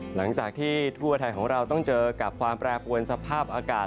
หลังจากที่ทั่วไทยของเราต้องเจอกับความแปรปวนสภาพอากาศ